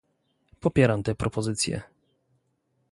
Popieram te propozycje